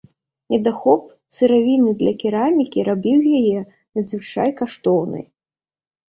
Недахоп сыравіны для керамікі рабіў яе надзвычай каштоўнай.